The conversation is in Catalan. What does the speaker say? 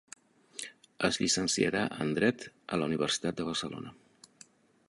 Es llicenciarà en Dret a la Universitat de Barcelona.